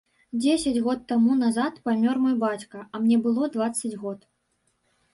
Дзесяць год таму назад памёр мой бацька, а мне было дваццаць год.